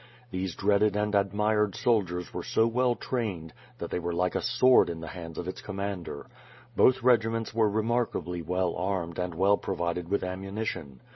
These dreaded and ad mired soldiers were so well trained tLat they were like a sword in the hands of its commander. Both regiments were remarkably well armed and well provided with ammunition.